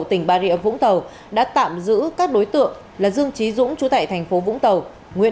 tỉnh ba rịa vũng tàu đã tạm giữ các đối tượng là dương trí dũng chủ tại thành phố vũng tàu